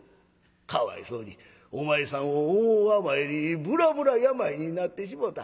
かわいそうにお前さんを思うあまりにぶらぶら病になってしもた。